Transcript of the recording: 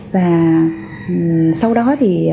và sau đó thì